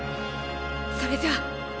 それじゃあ。